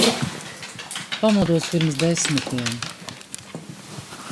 Pamodos pirms desmitiem.